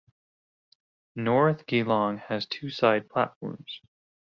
North Geelong has two side platforms.